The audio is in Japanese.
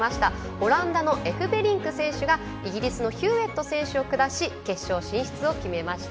オランダのエフベリンク選手がイギリスのヒューウェット選手を下し決勝進出を決めました。